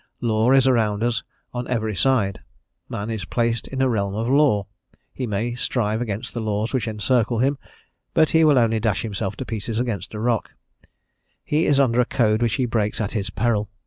Law is around us on every side; man is placed in a realm of law; he may strive against the laws which encircle him, but he will only dash himself to pieces against a rock; he is under a code which he breaks at his peril.